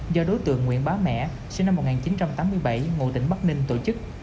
do đối tượng nguyễn bá mẻ sinh năm một nghìn chín trăm tám mươi bảy ngụ tỉnh bắc ninh tổ chức